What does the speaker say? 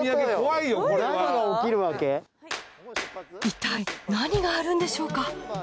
いったい何があるんでしょうか？